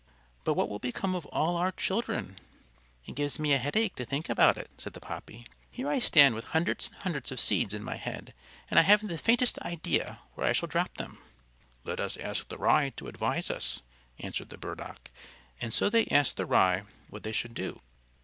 "But what will become of all our children?" "It gives me a headache to think about it," said the Poppy. "Here I stand with hundreds and hundreds of seeds in my head, and I haven't the faintest idea where I shall drop them." "Let us ask the Rye to advise us," answered the Burdock. And so they asked the Rye what they should do.